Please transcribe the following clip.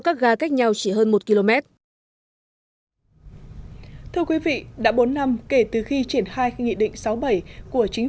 các ga cách nhau chỉ hơn một km thưa quý vị đã bốn năm kể từ khi triển khai nghị định sáu bảy của chính